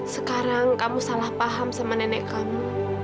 sekarang kamu salah paham sama nenek kamu